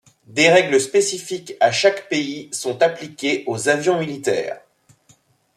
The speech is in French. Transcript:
Des règles spécifiques à chaque pays sont appliquées aux avions militaires.